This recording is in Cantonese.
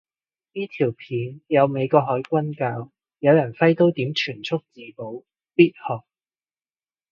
呢條片有美國海軍教有人揮刀點全速自保，必學